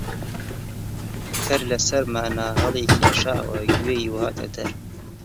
کەر لە سەرمانا هەڵیکێشاوە گوێی و هاتە دەر